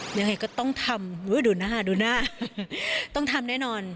ยังไงก็ต้องทำดูหน้าดูหน้าต้องทำแน่นอน